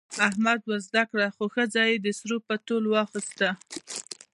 احمد وزده وکړه، خو ښځه یې د سرو په تول واخیسته.